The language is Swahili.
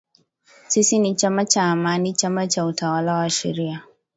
“Sisi ni chama cha Amani, chama cha utawala wa sharia